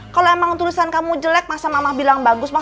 kalau emang tulisan kamu jelek masa mama bilang bagus bang